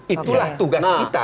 itulah tugas kita